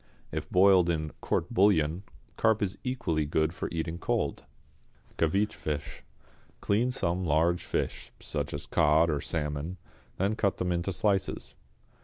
If boiled in "court bouillon," carp is equally good for eating cold. =Caveach Fish.= Clean some large fish, such as cod or salmon, then cut them into slices.